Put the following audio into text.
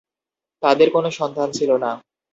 তাঁদের কোনো সন্তান ছিল না।